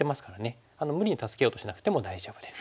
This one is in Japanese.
無理に助けようとしなくても大丈夫です。